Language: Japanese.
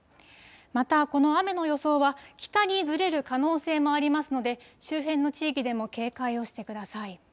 またこの雨の予想は、北にずれる可能性もありますので、周辺の地域でも警戒をしてください。